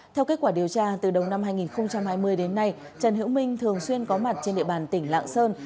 theo kết quả điều tra từ đầu năm hai nghìn hai mươi đến nay trần hiễu minh thường xuyên có mặt trên địa bàn tỉnh lạng sơn